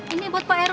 ini buat pak rw